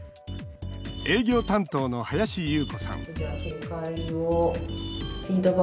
営業担当の林裕子さん